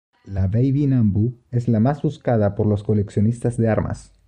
La "Baby Nambu" es la más buscada por los coleccionistas de armas.